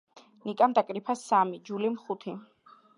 ნიკამ დაკრიფა სამი, ჯულიმ ხუთი.